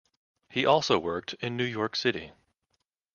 He also worked in New York City.